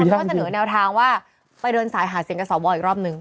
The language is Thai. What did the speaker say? แต่แหลมความเข้าในแนวทางว่าไปเดินสายหาเสียงกระสอบบอลอีกรอบนึง